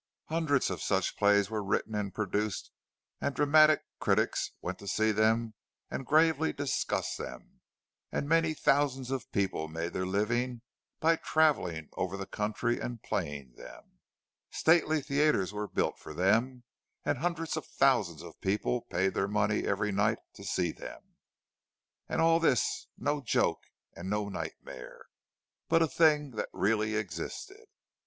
Hundreds of such plays were written and produced, and "dramatic critics" went to see them and gravely discussed them, and many thousands of people made their livings by travelling over the country and playing them; stately theatres were built for them, and hundreds of thousands of people paid their money every night to see them. And all this no joke and no nightmare—but a thing that really existed.